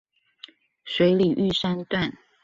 水里玉山段